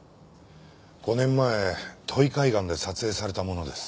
５年前土肥海岸で撮影されたものです。